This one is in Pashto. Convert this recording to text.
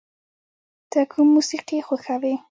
ته کوم موسیقی خوښوې؟